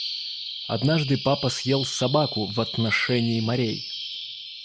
Однажды папа съел собаку в отношении морей.